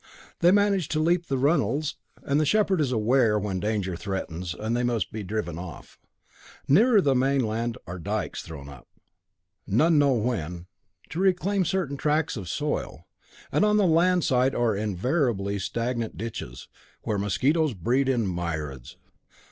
They manage to leap the runnels, and the shepherd is aware when danger threatens, and they must be driven off. Nearer the mainland are dykes thrown up, none know when, to reclaim certain tracts of soil, and on the land side are invariably stagnant ditches, where mosquitoes breed in myriads.